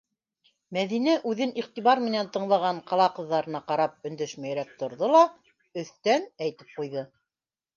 - Мәҙинә, үҙен иғтибар менән тыңлаған ҡала ҡыҙҙарына ҡарап, өндәшмәйерәк торҙо ла өҫтән әйтеп ҡуйҙы.